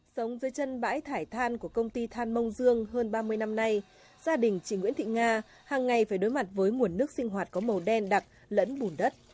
sống dưới chân bãi thải than của công ty than mông dương hơn ba mươi năm nay gia đình chị nguyễn thị nga hàng ngày phải đối mặt với nguồn nước sinh hoạt có màu đen đặc lẫn bùn đất